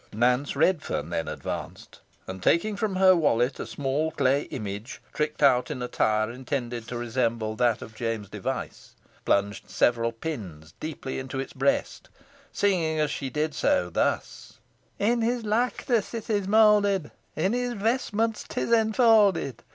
Nance Redferne then advanced, and, taking from her wallet a small clay image, tricked out in attire intended to resemble that of James Device, plunged several pins deeply into its breast, singing as she did so, thus, "In his likeness it is moulded, In his vestments 'tis enfolded.